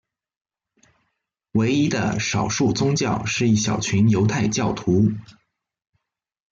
唯一的少数宗教是一小群犹太教徒。